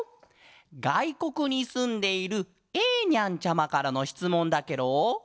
がいこくにすんでいるえーにゃんちゃまからのしつもんだケロ。